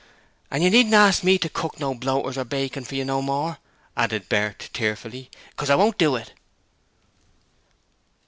'An' you needn't ask me to cook no bloaters or bacon for you no more,' added Bert, tearfully, 'cos I won't do it.'